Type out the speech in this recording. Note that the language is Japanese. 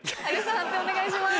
判定お願いします。